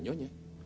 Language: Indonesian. aku sudah selesai